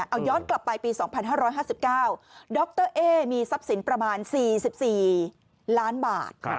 เอาย้อนกลับไปปี๒๕๕๙ดรเอ๊มีทรัพย์สินประมาณ๔๔ล้านบาท